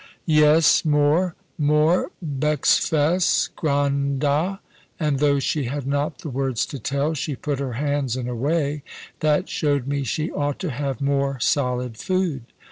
"Yes, more; more bexfass, grand da." And though she had not the words to tell, she put her hands in a way that showed me she ought to have more solid food.